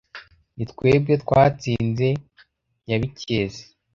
ni twebwe twatsinze nyabikezi.